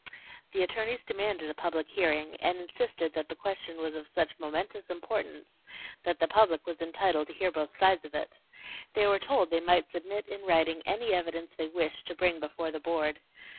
The attorneys demanded a public hearing, and insisted that the question was of such momentous importance that the public was entitled to hear both sides of it. They were told they might submit in writing any evidence they wished to bring before the Board.